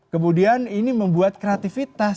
kemudian ini membuat kreativitas